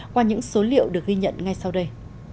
qua những số liệu được ghi nhận ngay sau đây